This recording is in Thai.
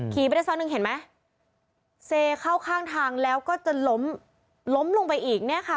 ไปได้สักหนึ่งเห็นไหมเซเข้าข้างทางแล้วก็จะล้มล้มลงไปอีกเนี่ยค่ะ